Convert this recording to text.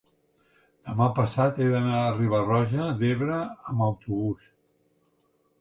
demà passat he d'anar a Riba-roja d'Ebre amb autobús.